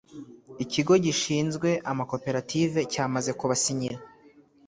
Ikigo gishinzwe amakoperative cyamaze kubasinyira